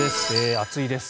暑いです。